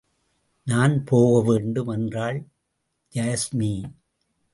நான் போக வேண்டும் என்றாள் யாஸ்மி.